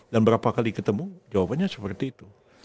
dan berapa kali ketemu jawabannya seperti itu